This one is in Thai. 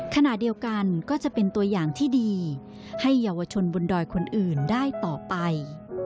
ขณะเดียวกันก็จะเป็นตัวอย่างที่ดีให้เยาวชนบนดอยคนอื่นได้ต่อไป